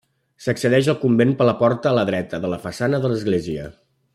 S'accedeix al convent per la porta a la dreta de la façana de l'església.